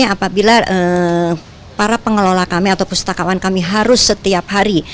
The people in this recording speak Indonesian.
apabila para pengelola kami atau pustakawan kami harus setiap hari